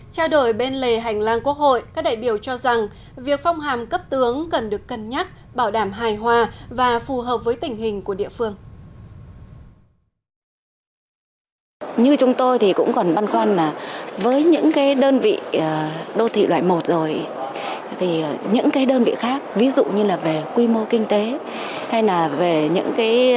trao đổi bên lề hành lang quốc hội các đại biểu cho rằng việc phong hàm cấp tướng cần được cân nhắc bảo đảm hài hòa và phù hợp với tình hình của địa phương